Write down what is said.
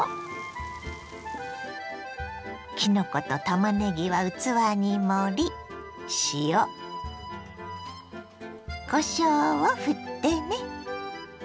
きのことたまねぎは器に盛り塩こしょうをふってね。